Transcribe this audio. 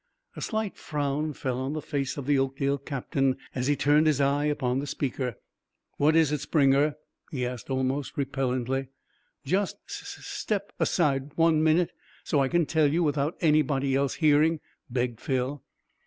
A slight frown fell on the face of the Oakdale captain as he turned his eyes upon the speaker. "What is it, Springer?" he asked almost repellantly. "Just sus step one side a bit so I can tell you without anybody else hearing," begged Phil.